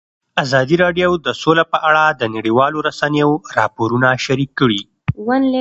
ازادي راډیو د سوله په اړه د نړیوالو رسنیو راپورونه شریک کړي.